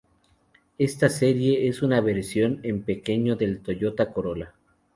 Esta serie es una versión en pequeño del Toyota Corolla.